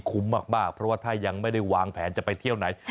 มากเพราะว่าถ้ายังไม่ได้วางแผนจะไปเที่ยวไหน